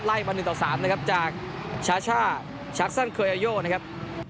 ไล่มาหนึ่งต่อสามนะครับจากชาช่าชักซั่นเคยโย่นะครับ